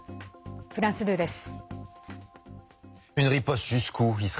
フランス２です。